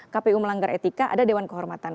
kpu melanggar etika ada dewan kehormatan